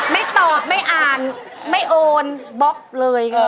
ไม่ตอบไม่อ่านไม่โอนมศัลกัจมนุษย์เลย